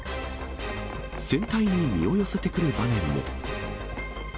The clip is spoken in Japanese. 船体に身を寄せてくる場面も。